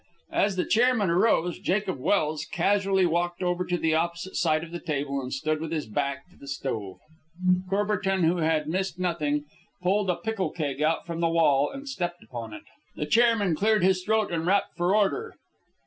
As the chairman arose, Jacob Welse casually walked over to the opposite side of the table and stood with his back to the stove. Courbertin, who had missed nothing, pulled a pickle keg out from the wall and stepped upon it. The chairman cleared his throat and rapped for order.